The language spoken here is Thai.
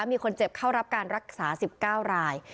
มีคนเจ็บเข้ารับการรักษา๑๙ราย